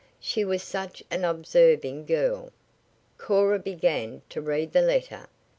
She was such an observing girl. Cora began to read the letter.